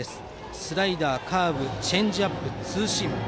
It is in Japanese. スライダー、カーブチェンジアップ、ツーシーム。